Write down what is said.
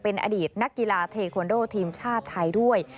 เป็นอดีตนักกีฬาเทควันโดทีมชาติไทยด้วย